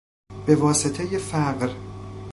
به واسطهی فقر